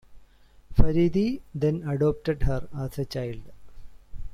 Faridi then adopted her as a child.